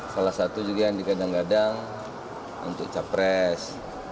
salah satu juga yang dikadang kadang untuk capres